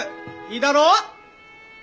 いいだろう？